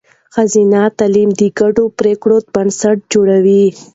ښځینه تعلیم د ګډو پرېکړو بنسټ جوړوي.